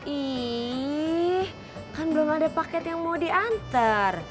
ih kan belum ada paket yang mau diantar